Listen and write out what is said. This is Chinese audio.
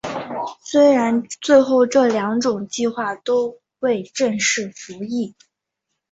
虽然最后这两种计划都未正式服役。